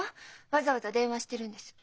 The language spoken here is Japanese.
わざわざ電話してるんです。